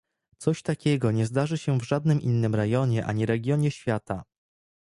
Coś takiego nie zdarzy się w żadnym innym rejonie ani regionie świata